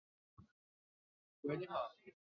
阿里耶格河畔弗尔里埃人口变化图示